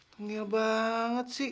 tenggel banget sih